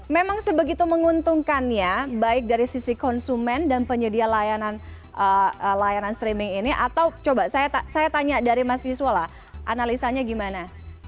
memang sebegitu menguntungkan ya baik dari sisi konsumen dan penyedia layanan streaming ini atau coba saya tanya dari mas wiswola analisanya gimana